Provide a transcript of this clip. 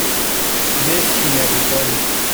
This he never did.